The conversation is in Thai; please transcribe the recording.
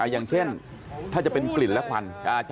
อย่างเช่นถ้าจะเป็นกลิ่นและควัน